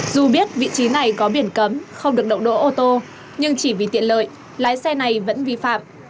dù biết vị trí này có biển cấm không được đậu đỗ ô tô nhưng chỉ vì tiện lợi lái xe này vẫn vi phạm